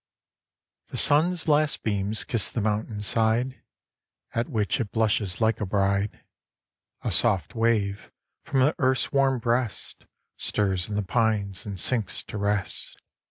The sun's last beams kiss the mountain side, At which it blushes like a bride; A soft wave, from the earth's warm breast, Stirs in the pines and sinks to rest.